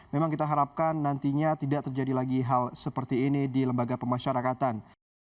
memang kita harapkan nantinya tidak terjadi lagi hal seperti ini di lembaga pemasyarakatan